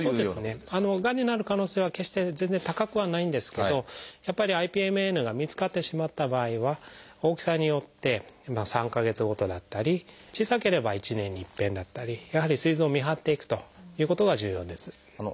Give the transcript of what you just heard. がんになる可能性は決して全然高くはないんですけどやっぱりＩＰＭＮが見つかってしまった場合は大きさによって３か月ごとだったり小さければ１年にいっぺんだったりやはりすい臓を見張っていくということが重要です。